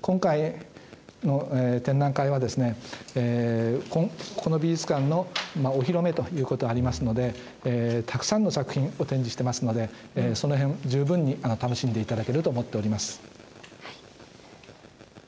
今回の展覧会はこの美術館のお披露目ということがありますので、たくさんの作品を展示していますので、そのへんを十分に楽しんでいただけると思っております。